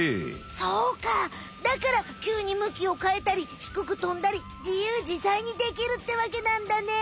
そうかだからきゅうに向きを変えたりひくくとんだりじゆうじざいにできるってわけなんだね。